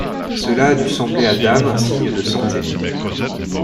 Cela a dû sembler à Dan un signe de santé.